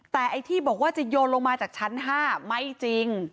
แต่ไอ้ที่บอกว่าจะโยนลงมาจากชั้น๕ไม่จริง